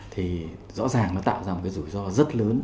thì rõ ràng nó tạo ra một cái rủi ro rất lớn